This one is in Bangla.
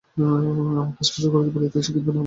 আমাকে স্পষ্ট কথা বলিতে হইতেছে, কিন্তু না বলিয়া উপায় নাই।